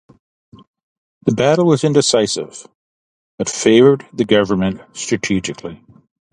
The battle was indecisive but favoured the government strategically.